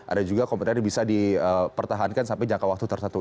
ada juga kompeten yang bisa dipertahankan sampai jangka waktu tertentu